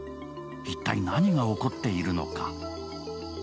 一体、何が起こっているのか。